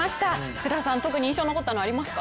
福田さん、特に印象に残ったのありますか？